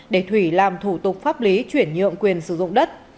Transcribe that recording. để thủy làm thủ tục pháp lý chuyển nhượng quyền sử dụng đất